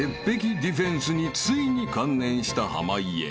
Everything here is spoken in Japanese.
ディフェンスについに観念した濱家］